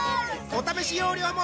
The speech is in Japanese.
お試し容量も